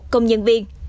công nhân viên